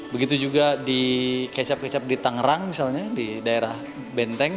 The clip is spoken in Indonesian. begitu juga di kecap kecap di tangerang misalnya di daerah benteng